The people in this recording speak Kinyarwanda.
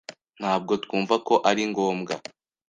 Ntabwo twumva ko ari ngombwa.